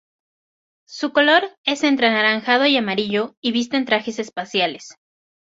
Su color es entre anaranjado y amarillo y visten trajes espaciales.